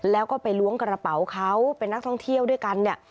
แล้วก็ไปล้วงกระเป๋าเขาเป็นนักท่องเที่ยวด้วยกันเนี่ย